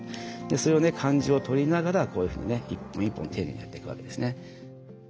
それをね感じをとりながらこういうふうにね一本一本丁寧にやっていくわけですね。